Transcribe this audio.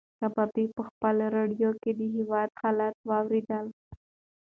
کبابي په خپلې راډیو کې د هېواد حالات اورېدل.